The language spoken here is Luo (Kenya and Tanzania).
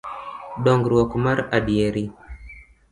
Dongruok mar adieri